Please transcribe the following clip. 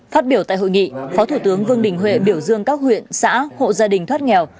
phát biểu tại hội nghị phó thủ tướng vương đình huệ biểu dương các huyện xã hộ gia đình thoát nghèo